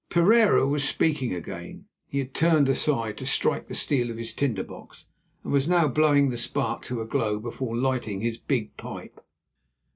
Pereira was speaking again (he had turned aside to strike the steel of his tinder box, and was now blowing the spark to a glow before lighting his big pipe).